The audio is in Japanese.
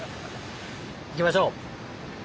行きましょう！